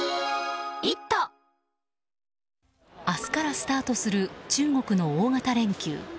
明日からスタートする中国の大型連休。